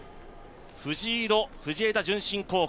藤色、藤枝順心高校。